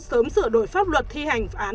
sớm sửa đổi pháp luật thi hành án